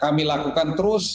kami lakukan terus